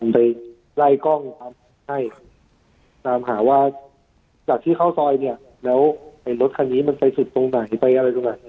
ไปไล่กล้องให้ตามหาว่าจากที่เข้าซอยเนี่ยแล้วไอ้รถคันนี้มันไปสุดตรงไหนไปอะไรตรงไหน